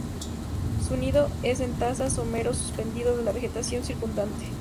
Su nido es en taza, somero, suspendido de la vegetación circundante.